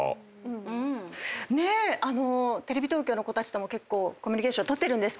テレビ東京の子たちとも結構コミュニケーション取ってるんですけど